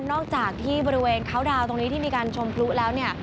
อกจากที่บริเวณเขาดาวน์ตรงนี้ที่มีการชมพลุแล้วเนี่ย